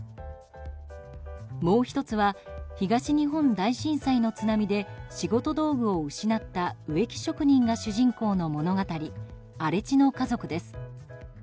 もう１つは東日本大震災の津波で仕事道具を失った植木職人が主人公の物語「荒地の家族」です。